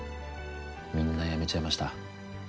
みんなやめちゃいました